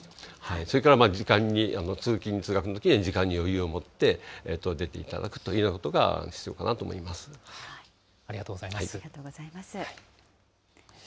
それから時間に、通勤・通学のときには時間に余裕を持って出ていただくというようなことが必要かありがとうございます。